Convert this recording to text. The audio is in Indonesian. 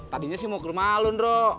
tadinya sih mau ke rumah lu nro